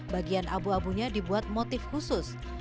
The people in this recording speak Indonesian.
bagian abu abunya dibuat motif khusus